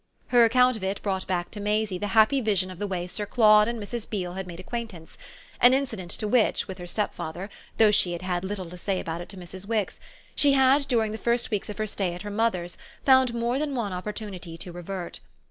Her account of it brought back to Maisie the happy vision of the way Sir Claude and Mrs. Beale had made acquaintance an incident to which, with her stepfather, though she had had little to say about it to Mrs. Wix, she had during the first weeks of her stay at her mother's found more than one opportunity to revert.